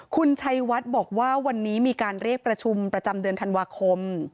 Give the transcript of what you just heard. คุณชัยวัดบอกว่าวันนี้มีการเรียกประชุมประจำเดือนธันวาคม